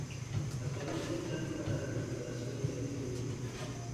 Actualmente hay planes para la recuperación de este cultivo.